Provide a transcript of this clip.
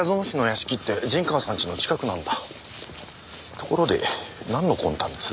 ところでなんの魂胆です？